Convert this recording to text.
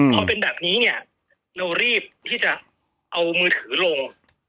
พอเป็นแบบนี้เนี่ยเรารีบที่จะเอามือถือลง